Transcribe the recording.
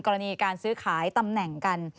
กรณีการซื้อขายตำแหน่งกัน